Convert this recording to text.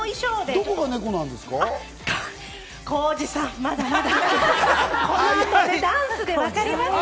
どこが猫なんですか？